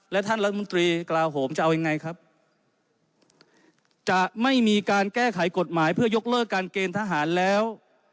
และท่านรัฐมนตรีกลาโหมจะเอายังไงครับจะไม่มีการแก้ไขกฎหมายเพื่อยกเลิกการเกณฑ์ทหารแล้ว